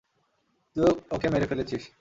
তুই ওকে মেরে ফেলেছিস।